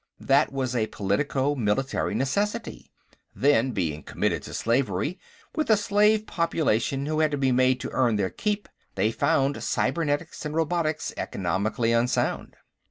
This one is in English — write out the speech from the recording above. That was a politico military necessity. Then, being committed to slavery, with a slave population who had to be made to earn their keep, they found cybernetics and robotics economically unsound."